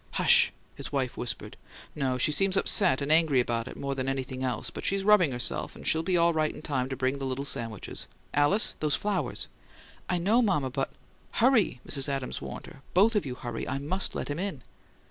"Hush!" his wife whispered. "No. She seems upset and angry about it, more than anything else; but she's rubbing herself, and she'll be all right in time to bring in the little sandwiches. Alice! Those flowers!" "I know, mama. But " "Hurry!" Mrs. Adams warned her. "Both of you hurry! I MUST let him in!"